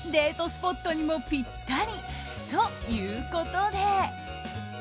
スポットにもぴったり。ということで。